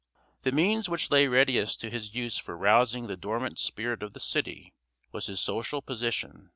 The means which lay readiest to his use for rousing the dormant spirit of the city was his social position.